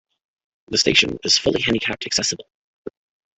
The station is fully handicapped accessible.